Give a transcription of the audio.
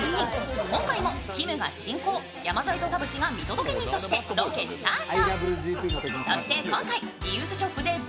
今回もきむが進行、山添と田渕が見届け人としてロケスタート。